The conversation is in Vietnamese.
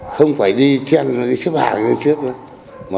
không phải đi chen đi xếp hàng lên trước nữa